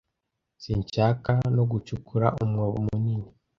sinshaka no gucukura umwobo munini